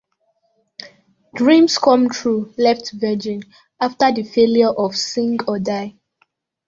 Dreams Come True left Virgin after the failure of "Sing or Die".